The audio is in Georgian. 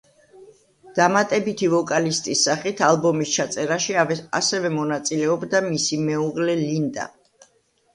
დამატებითი ვოკალისტის სახით ალბომის ჩაწერაში ასევე მონაწილეობდა მისი მეუღლე, ლინდა.